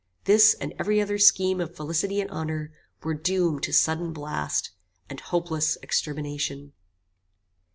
this and every other scheme of felicity and honor, were doomed to sudden blast and hopeless extermination.